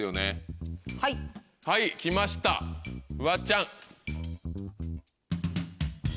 はい来ましたフワちゃん。